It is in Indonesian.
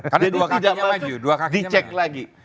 kalau tidak masuk dicek lagi